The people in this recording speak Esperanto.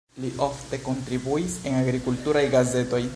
Li ofte kontribuis en agrikulturaj gazetoj.